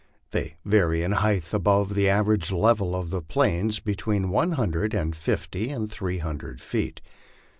They vary in height above the average level of the plains between one hun dren and fifty and three hundred feet.